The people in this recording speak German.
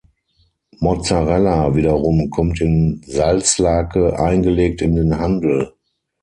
Mozzarella wiederum kommt in Salzlake eingelegt in den Handel.